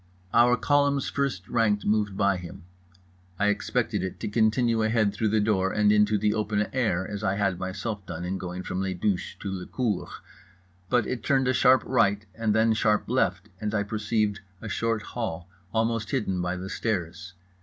Our column's first rank moved by him. I expected it to continue ahead through the door and into the open air, as I had myself done in going from les douches to le cour; but it turned a sharp right and then sharp left, and I perceived a short hall, almost hidden by the stairs.